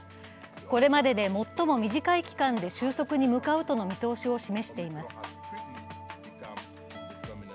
これまでで最も短い期間で収束に向かうとの見通しを示しています。